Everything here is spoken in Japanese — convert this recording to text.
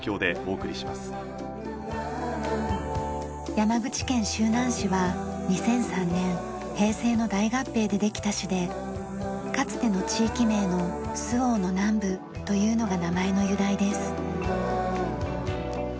山口県周南市は２００３年平成の大合併でできた市でかつての地域名の周防の南部というのが名前の由来です。